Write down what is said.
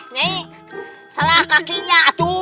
ini salah kakinya